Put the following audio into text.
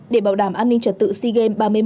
để bảo đảm an ninh trật tự sigem ba mươi một